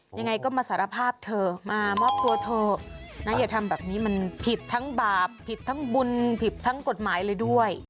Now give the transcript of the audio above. ยังไงก็มาสารภาพเธอมามอบตัวเถอะนะอย่าทำแบบนี้มันผิดทั้งบาปผิดทั้งบุญผิดทั้งกฎหมายเลยด้วย